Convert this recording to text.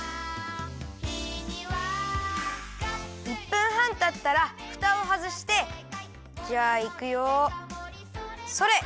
１分はんたったらふたをはずしてじゃあいくよそれ！